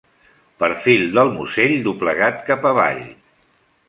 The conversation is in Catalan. Perfil del musell doblegat cap avall.